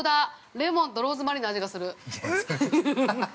レモンとローズマリーの味がする。